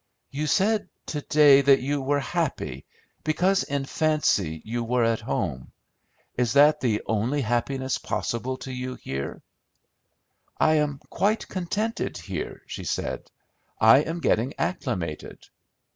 "You said to day that you were happy, because in fancy you were at home. Is that the only happiness possible to you here?" "I am quite contented here," she said. "I am getting acclimated."